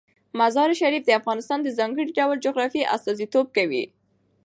مزارشریف د افغانستان د ځانګړي ډول جغرافیه استازیتوب کوي.